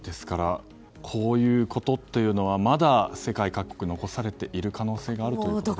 こういうことというのはまだ世界各国に残されている可能性があるということですね。